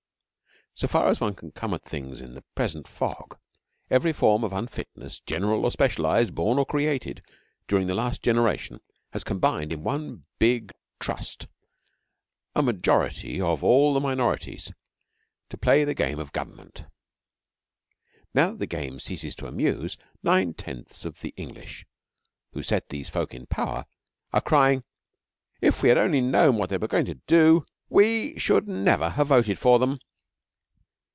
So far as one can come at things in the present fog, every form of unfitness, general or specialised, born or created, during the last generation has combined in one big trust a majority of all the minorities to play the game of Government. Now that the game ceases to amuse, nine tenths of the English who set these folk in power are crying, 'If we had only known what they were going to do we should never have voted for them!'